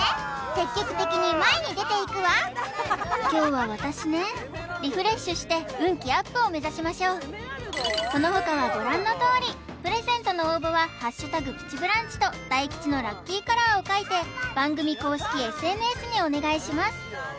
積極的に前に出ていくわ凶は私ねリフレッシュして運気アップを目指しましょうそのほかはご覧のとおりプレゼントの応募は「＃プチブランチ」と大吉のラッキーカラーを書いて番組公式ＳＮＳにお願いします